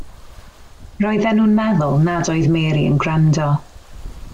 Roedden nhw'n meddwl nad oedd Mary yn gwrando.